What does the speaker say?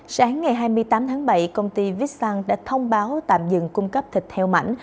sáng ngày hai mươi tám tháng bảy công ty vixsan đã thông báo tạm dừng cung cấp thịt heo mạnh